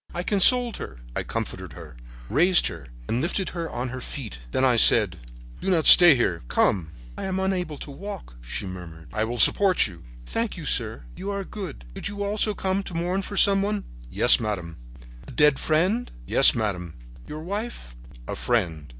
"I consoled her, I comforted her, raised her and lifted her on her feet. Then I said: "'Do not stay here. Come.' "'I am unable to walk,' she murmured. "'I will support you.' "'Thank you, sir; you are good. Did you also come to mourn for some one?' "'Yes, madame.' "'A dead friend?' "'Yes, madame.' "'Your wife?' "'A friend.'